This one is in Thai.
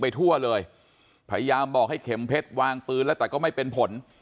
ทั่วเลยพยายามบอกให้เข็มเพชรวางปืนแล้วแต่ก็ไม่เป็นผล